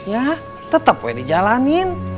ya tetep boleh dijalanin